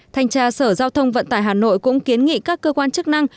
thanh tra sở giao thông vận tải hà nội cũng kiến nghị các cơ quan chức năng